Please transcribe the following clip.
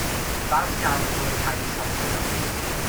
Falch iawn ei fod yn cael ei sortio.